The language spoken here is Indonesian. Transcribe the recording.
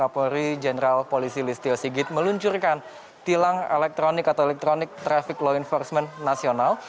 kapolri jenderal polisi listio sigit meluncurkan tilang elektronik atau electronic traffic law enforcement nasional